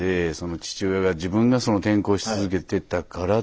父親が自分が転校し続けてたからっていう。